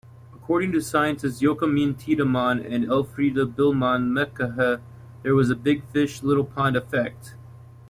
According to scientists Joachim Tiedemann and Elfriede Billmann-Mahecha, there was a big-fish-little-pond effect.